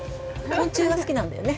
昆虫が好きなんだよね。